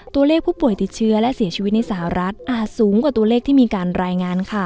ตัวเลขผู้ป่วยติดเชื้อและเสียชีวิตในสหรัฐอาจสูงกว่าตัวเลขที่มีการรายงานค่ะ